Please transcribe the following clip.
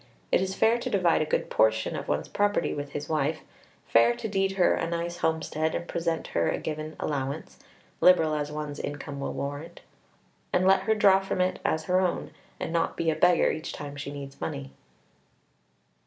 It is fair to divide a good portion of one's property with his wife, fair to deed her a nice homestead and present her a given allowance liberal as one's income will warrant and let her draw from it as her own, and not be a beggar each time she needs money.